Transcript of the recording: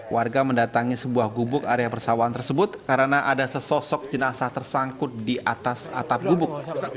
warga mendatangi sebuah gubuk area persawahan tersebut karena ada sesosok jenazah tersangkut di atas atap gubuk